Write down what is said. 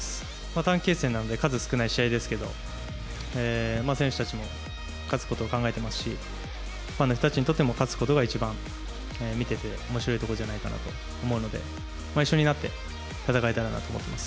短期決戦なんで、数少ない試合ですけど、選手たちも勝つことを考えていますし、ファンの人たちにとっても勝つことが一番見てておもしろいところじゃないかと思うので、一緒になって戦いたいなと思っています。